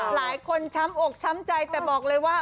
ช้ำอกช้ำใจแต่บอกเลยว่า